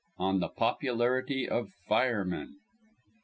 ON THE POPULARITY OF FIREMEN.